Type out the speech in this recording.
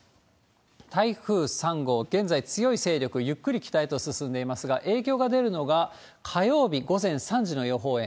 台風３号、現在、強い勢力、ゆっくり北へと進んでいますが、影響が出るのが火曜日午前３時の予報円。